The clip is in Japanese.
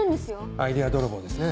アイデア泥棒ですね。